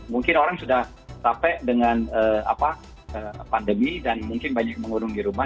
mungkin orang sudah capek dengan pandemi dan mungkin banyak mengurung di rumah